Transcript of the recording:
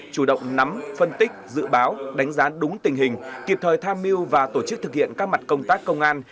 chủ động nắm phân tích dự báo đánh giá đúng tình hình kịp thời tham mưu và tổ chức thực hiện các mặt công tác công an